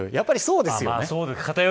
やっぱりそうですよね。